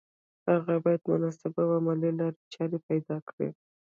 هغه بايد مناسبې او عملي لارې چارې پيدا کړي.